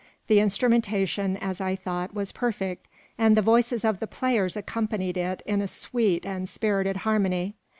The instrumentation, as I thought, was perfect; and the voices of the players accompanied it in a sweet and spirited harmony.